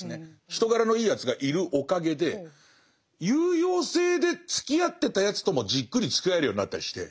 人柄のいいやつがいるおかげで有用性でつきあってたやつともじっくりつきあえるようになったりして。